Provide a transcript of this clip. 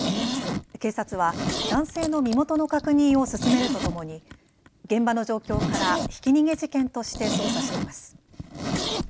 警察は男性の身元の確認を進めるとともに現場の状況からひき逃げ事件として捜査しています。